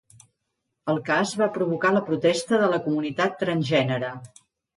El cas va provocar la protesta de la comunitat transgènere.